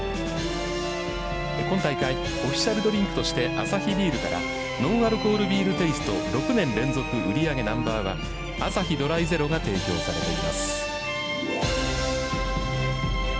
今大会オフィシャルドリンクとしてアサヒビールからノンアルコールビールテイスト６年連続売上ナンバーワンアサヒドライゼロが提供されています。